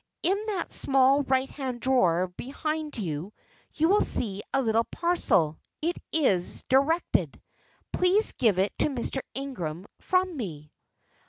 In that small right hand drawer behind you, you will see a little parcel; it is directed. Please give it to Mr. Ingram from me."